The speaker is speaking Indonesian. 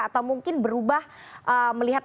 atau mungkin berubah melihat